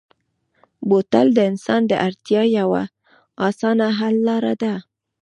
بوتل د انسان د اړتیا یوه اسانه حل لاره ده.